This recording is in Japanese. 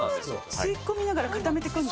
吸い込みながら固めてくんだ。